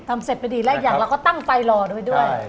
ทำเสร็จไปดีและอีกอย่างเราก็ตั้งไฟรอด้วย